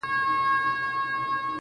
دا قضاوت یې په سپېڅلي زړه منلای نه سو!.